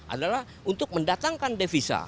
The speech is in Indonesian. adalah untuk mendatangkan devisa